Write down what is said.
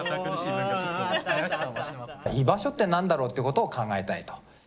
居場所って何だろうってことを考えたい。